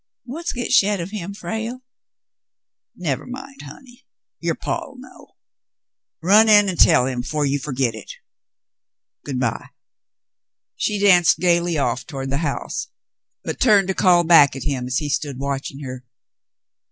TMiat's * get shet of him,' Frale ?" "Nevah mind, honey; yer paw'll know. Run in an' tell him 'fore you forgit hit. Good by." She danced gayly off toward the house, but turned to call back at him, as he stood watching her.